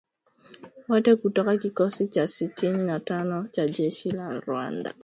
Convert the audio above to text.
Wote kutoka kikosi cha sitini na tano cha jeshi la Rwanda